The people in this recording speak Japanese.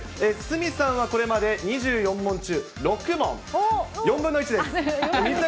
鷲見さんはこれまで２４問中６問、４分の１です。